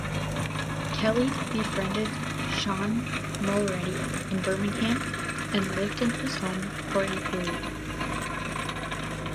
Kelly befriended Sean Mulready in Birmingham and lived in his home for a period.